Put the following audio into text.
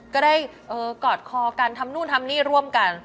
ก็ได้กอดคอกันทำนู่นทำนี่ร่วมกัน